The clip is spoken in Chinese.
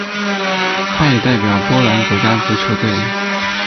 他也代表波兰国家足球队。